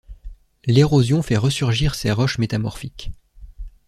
L'érosion fait resurgir ces roches métamorphiques.